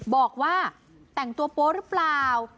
บอกว่าแต่งตัวโป๊ะหรือเปล่า